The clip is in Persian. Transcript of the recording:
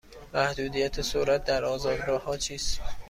محدودیت سرعت در آزاد راه ها چیست؟